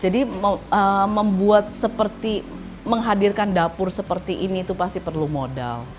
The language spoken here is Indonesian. jadi membuat seperti menghadirkan dapur seperti ini itu pasti perlu modal